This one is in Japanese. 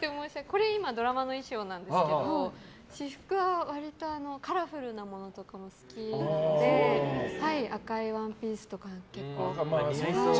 これ今ドラマの衣装なんですけど私服は割とカラフルなものが好きなので赤いワンピースとか。